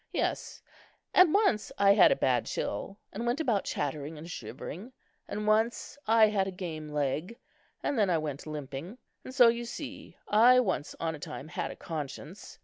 Yes, and once I had a bad chill, and went about chattering and shivering; and once I had a game leg, and then I went limping; and so, you see, I once on a time had a conscience.